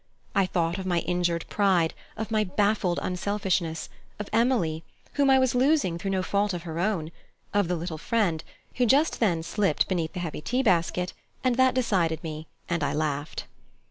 I thought of my injured pride, of my baffled unselfishness, of Emily, whom I was losing through no fault of her own, of the little friend, who just then slipped beneath the heavy tea basket, and that decided me, and I laughed.